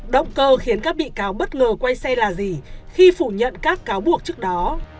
động cơ khiến các bị cáo bất ngờ quay xe là gì khi phủ nhận các cáo buộc trước đó